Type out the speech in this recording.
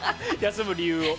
休む理由を。